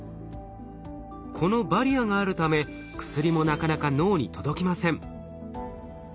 このバリアがあるため薬もなかなか脳に届きません。